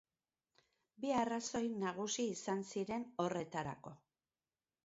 Bi arrazoi nagusi izan ziren horretarako.